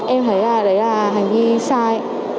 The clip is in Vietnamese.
em thấy là đấy là hành vi sai